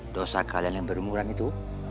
dosa kalian yang berumuran itu